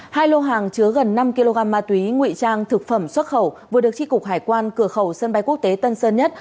hai lô hàng chứa gần năm kg ma túy nguy trang thực phẩm xuất khẩu vừa được tri cục hải quan cửa khẩu sân bay quốc tế tân sơn nhất